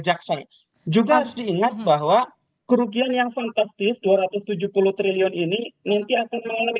jaksa juga harus diingat bahwa kerugian yang kontaktif dua ratus tujuh puluh triliun ini nanti akan mengalami